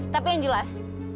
tapi yang jelas